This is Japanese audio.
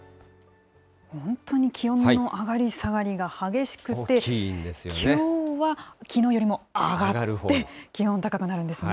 本当に気温の上がり下がりが激しくて、きょうはきのうよりも上がって、気温高くなるんですね。